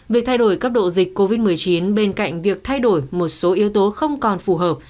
việc thay đổi cấp độ dịch covid một mươi chín bên cạnh việc thay đổi một số yếu tố không còn phù hợp